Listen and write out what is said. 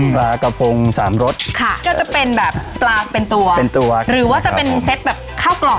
ปลากระพงสามรสค่ะก็จะเป็นแบบปลาเป็นตัวเป็นตัวหรือว่าจะเป็นเซตแบบข้าวกรอบ